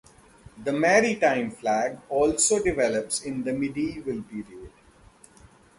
The maritime flag also develops in the medieval period.